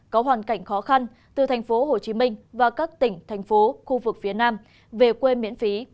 có hoàn cảnh khó khăn từ thành phố hồ chí minh và các tỉnh thành phố khu vực phía nam về quê miễn phí